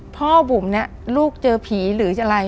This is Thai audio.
บุ๋มเนี่ยลูกเจอผีหรืออะไร